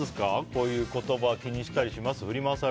こういう言葉気にしたりします？